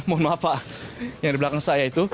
mohon maaf pak yang di belakang saya itu